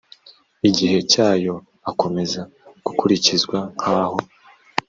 igihe cyayo akomeza gukurikizwa nk aho